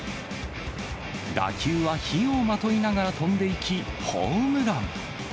打球は火をまといながら飛んでいき、ホームラン。